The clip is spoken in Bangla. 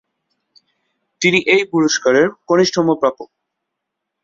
তিনি এই পুরস্কারের কনিষ্ঠতম প্রাপক।